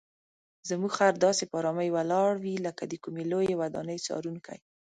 زموږ خر داسې په آرامۍ ولاړ وي لکه د کومې لویې ودانۍ څارونکی.